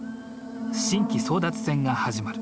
神旗争奪戦が始まる。